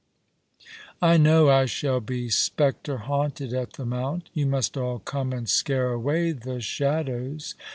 I know I shall be spectre haunted at the Mount. I'ou must all come and scare away the shadows.